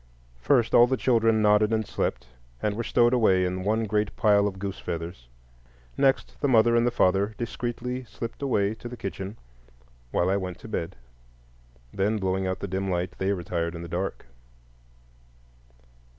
First, all the children nodded and slept, and were stowed away in one great pile of goose feathers; next, the mother and the father discreetly slipped away to the kitchen while I went to bed; then, blowing out the dim light, they retired in the dark.